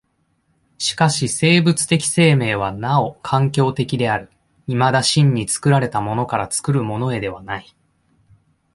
しかし生物的生命はなお環境的である、いまだ真に作られたものから作るものへではない。